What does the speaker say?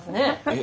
え？